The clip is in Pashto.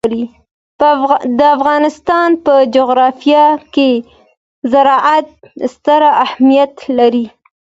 د افغانستان په جغرافیه کې زراعت ستر اهمیت لري.